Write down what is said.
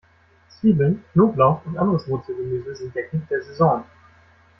Zwiebeln, Knoblauch und anderes Wurzelgemüse sind der Hit der Saison.